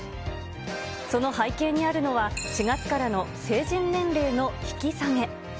その背景にあるのは、４月からの成人年齢の引き下げ。